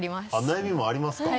悩みもありますか？